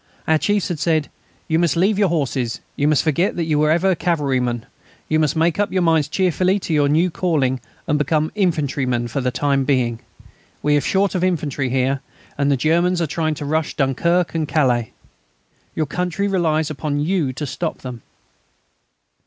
Our chiefs had said: "You must leave your horses, you must forget that you ever were cavalrymen, you must make up your minds cheerfully to your new calling and become infantrymen for the time being. We are short of infantry here, and the Germans are trying to rush Dunkirk and Calais. Your country relies upon you to stop them."